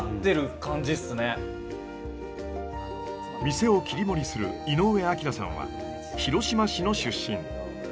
店を切り盛りする井上明さんは広島市の出身。